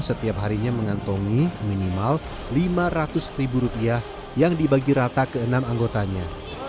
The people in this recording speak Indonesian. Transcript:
setiap harinya mengantongi minimal lima ratus ribu rupiah yang dibagi rata ke enam anggotanya